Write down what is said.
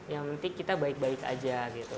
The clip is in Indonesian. yang penting kita baik baik aja gitu